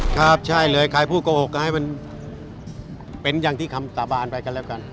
ครับใช่เลยใครพูดโกหกก็ให้มันเป็นอย่างที่คำสาบานไปกันแล้วกัน